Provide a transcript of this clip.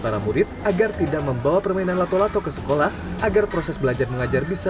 para murid agar tidak membawa permainan lato lato ke sekolah agar proses belajar mengajar bisa